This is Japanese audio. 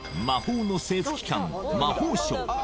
魔法の政府機関魔法省